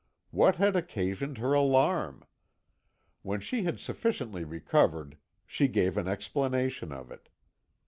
What had occasioned her alarm? When she had sufficiently recovered she gave an explanation of it.